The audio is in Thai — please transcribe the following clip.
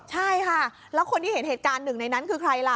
ใช่ค่ะแล้วคนที่เห็นเหตุการณ์หนึ่งในนั้นคือใครล่ะ